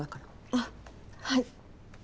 あっはい。